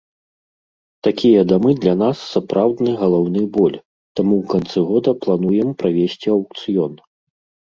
Такія дамы для нас сапраўдны галаўны боль, таму ў канцы года плануем правесці аўкцыён.